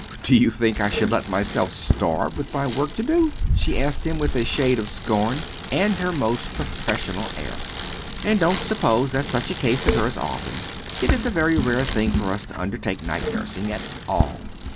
"Do you think I should let myself starve with my work to do?" she asked him, with a shade of scorn and her most professional air. "And don't suppose that such a case occurs often. It is a very rare thing for us to undertake night nursing at all."